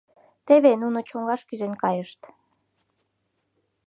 Теве нуно чоҥгаш кӱзен кайышт.